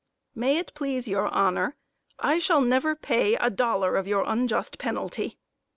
MISS ANTHONY May it please your honor, I shall never pay a dollar of your unjust penalty.